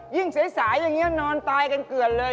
สายอย่างนี้นอนตายกันเกือบเลย